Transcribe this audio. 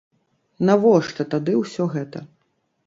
Навошта тады ўсё гэта?